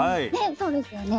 そうですよね。